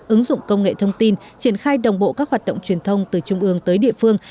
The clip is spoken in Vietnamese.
ứng dụng công nghệ thông tin triển khai đồng bộ các hoạt động truyền thông từ trung ương tới địa phương